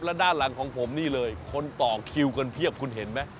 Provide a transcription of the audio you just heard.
แล้วด้านหลังของผมนี่เลยคนต่อคิวกันเพียบคุณเห็นไหม